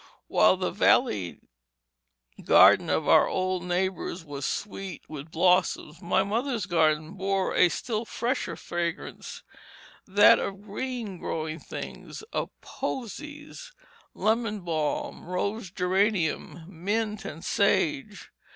While the vallied garden of our old neighbors was sweet with blossoms, my mother's garden bore a still fresher fragrance that of green growing things; of "posies," lemon balm, rose geranium, mint, and sage.